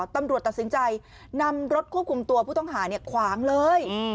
ตำรวจตัดสินใจนำรถควบคุมตัวผู้ต้องหาขวางเลย